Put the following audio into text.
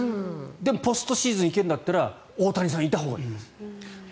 でもポストシーズンに行けるなら大谷さん、いたほうがいい。